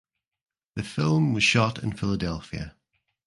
The film was shot in Philadelphia.